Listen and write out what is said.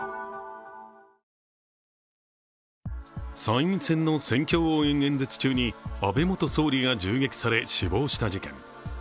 参院選の選挙応援演説中に安倍元総理が銃撃され死亡した事件。